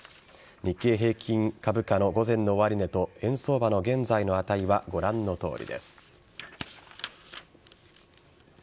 日経平均株価の午前の終値と円相場の現在の値はご覧のとおりです。